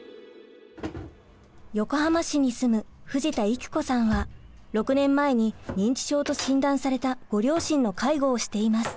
横浜市に住む藤田郁子さんは６年前に認知症と診断されたご両親の介護をしています。